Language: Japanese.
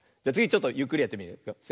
じゃつぎちょっとゆっくりやってみるよ。